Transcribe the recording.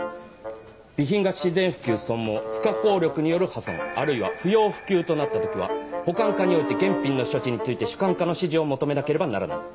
「備品が自然腐朽損耗不可抗力による破損あるいは不要不急となったときは保管課において現品の処置について主管課の指示を求めなければならない」。